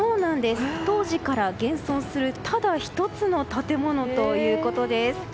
当時から現存するただ１つの建物ということです。